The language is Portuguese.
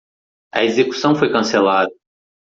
A execução foi cancelada.